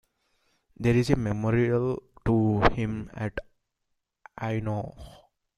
There is a memorial to him at Aynho.